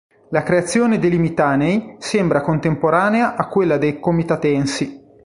La creazione dei "limitanei" sembra contemporanea a quella dei "comitatensi".